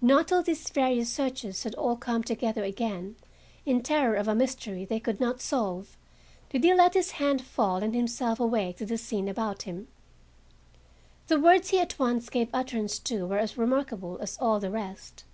Not till these various searchers had all come together again, in terror of a mystery they could not solve, did he let his hand fall and himself awake to the scene about him. The words he at once gave utterance to were as remarkable as all the rest.